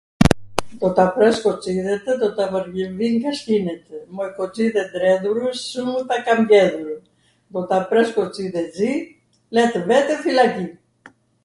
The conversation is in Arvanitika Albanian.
Do ta pres kocidhetw, do ta vwrvinj ga shtinetw. Moj kocidhedredhurw, sw mun ta kam bledhurw. Do ta pres kocidhe t'zi, le tw vete fillaqi.